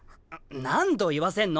何度言わせんの？